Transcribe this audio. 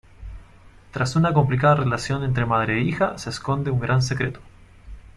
Tras una complicada relación entre madre e hija, se esconde un gran secreto.